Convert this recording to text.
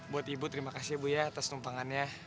buat ibu terima kasih ya bu atas tumpangannya